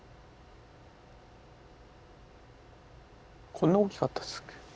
こんな大きかったですっけ？